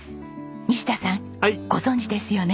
西田さんご存じですよね？